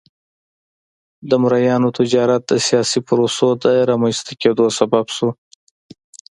د مریانو تجارت د سیاسي پروسو د رامنځته کېدو سبب شو.